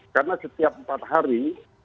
karena setiap empat hari